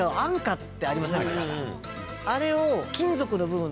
あれを。